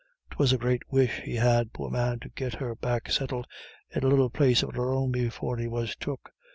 'Twas a great wish he had, poor man, to git her back settled in a little place of her own before he was took.